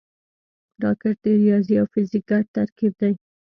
راکټ د ریاضي او فزیک ګډ ترکیب دی